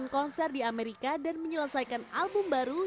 mengerjakan produksi dan bunyi album